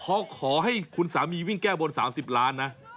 เพราะขอให้คุณสามีวิ่งแก้บน๓๐ล้านนะ